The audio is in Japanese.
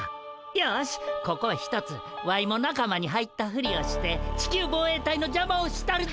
よしここはひとつワイも仲間に入ったふりをして地球防衛隊のじゃまをしたるで。